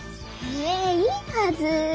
へえいいはずー。